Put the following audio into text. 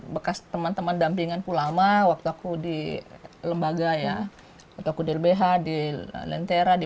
bekas teman teman dampingan ulama waktu aku di lembaga ya waktu aku di lbh di lentera di